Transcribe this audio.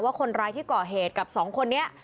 ว่าคนร้ายที่ก่อเหตุกับสองคนนี้